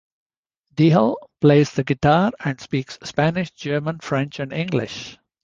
Diehl plays the guitar and speaks Spanish, German, French and English.